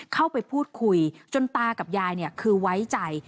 เข้าไปพูดคุยจนตากับยายคือไว้ใจ